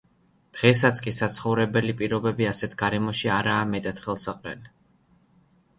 დღესაც კი საცხოვრებელი პირობები ასეთ გარემოში არაა მეტად ხელსაყრელი.